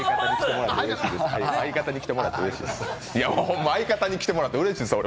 ホンマ、相方に来てもらってうれしいです。